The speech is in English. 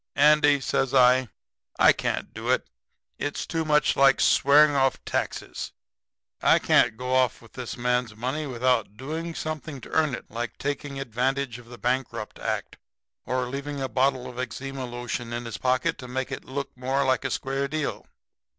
"'Andy,' says I, 'I can't do it. It's too much like swearing off taxes. I can't go off with this man's money without doing something to earn it like taking advantage of the Bankrupt act or leaving a bottle of eczema lotion in his pocket to make it look more like a square deal.'